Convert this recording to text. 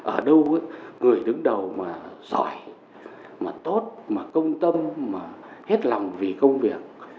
ở đâu người đứng đầu mà giỏi mà tốt mà công tâm mà hết lòng vì công việc